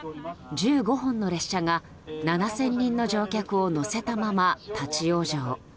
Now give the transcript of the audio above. １５本の列車が７０００人の乗客を乗せたまま立ち往生。